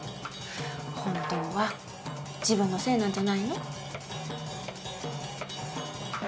本当は自分のせいなんじゃないの？